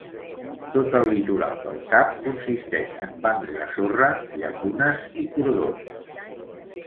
Tot el litoral del cap consisteix en bancs de sorra, llacunes i cordons.